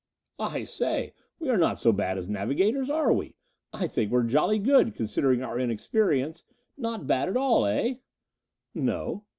"I say, we are not so bad as navigators, are we? I think we're jolly good, considering our inexperience. Not bad at all, eh?" "No."